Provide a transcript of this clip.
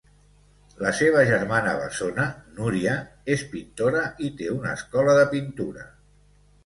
La seva germana bessona, Núria, és pintora i té una escola de pintura.